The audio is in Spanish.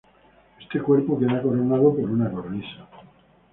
Este cuerpo queda coronado por una cornisa.